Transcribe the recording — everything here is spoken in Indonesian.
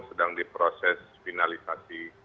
sedang diproses finalisasi